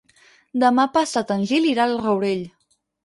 Demà passat en Gil irà al Rourell.